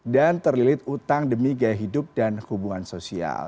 dan terlilit utang demi gaya hidup dan hubungan sosial